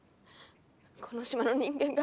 この島の人間が。